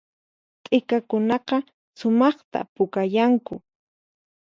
T'ikakunaqa sumaqta pukayanku